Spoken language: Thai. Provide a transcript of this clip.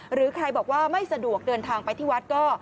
หรือใครบอกว่าไม่สะดวกเดินทางไปที่วัดก็